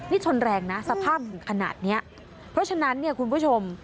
นี่ชนแรงนะสภาพถึงขนาดเนี้ยเพราะฉะนั้นเนี่ยคุณผู้ชม